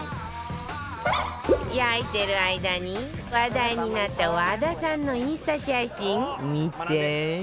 焼いてる間に話題になった和田さんのインスタ写真見て